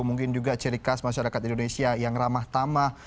mungkin juga ciri khas masyarakat indonesia yang ramah tamah